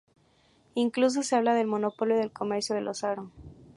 Incluso se habla del monopolio del comercio de los aro.